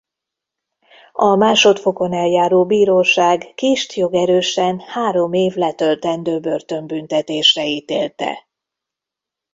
A másodfokon eljáró bíróság Kisst jogerősen három év letöltendő börtönbüntetésre ítélte.